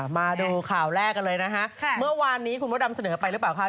มาดูข่าวแรกกันเลยนะฮะเมื่อวานนี้คุณมดดำเสนอไปหรือเปล่าคะ